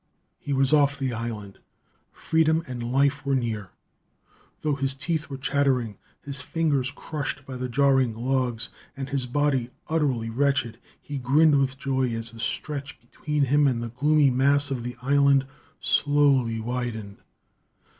He was off the island! Freedom and life were near! Though his teeth were chattering, his fingers crushed by the jarring logs, and his body utterly wretched, he grinned with joy as the stretch between him and the gloomy mass of the island slowly widened.